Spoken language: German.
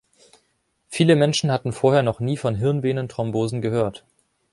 Viele Menschen hatten vorher noch nie von Hirnvenenthrombosen gehört.